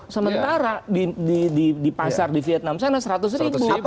sementara di pasar di vietnam sana rp seratus